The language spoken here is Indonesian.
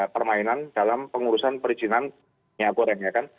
permainan dalam pengurusan perizinan minyak goreng